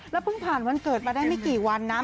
เพิ่งผ่านวันเกิดมาได้ไม่กี่วันนะ